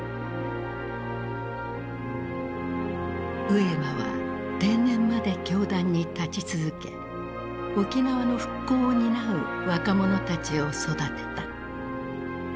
上間は定年まで教壇に立ち続け沖縄の復興を担う若者たちを育てた。